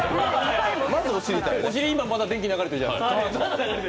お尻、今まだ電気、流れてるじゃないですか。